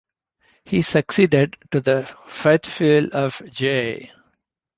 He succeeded to the fauteuil of J.